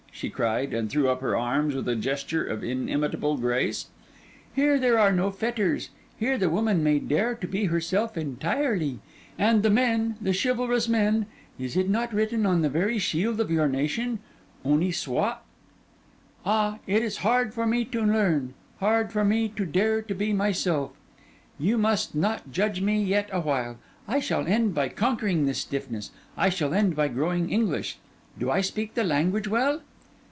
she cried, and threw up her arms with a gesture of inimitable grace—'here there are no fetters; here the woman may dare to be herself entirely, and the men, the chivalrous men—is it not written on the very shield of your nation, honi soit? Ah, it is hard for me to learn, hard for me to dare to be myself. You must not judge me yet awhile; I shall end by conquering this stiffness, I shall end by growing English. Do I speak the language well?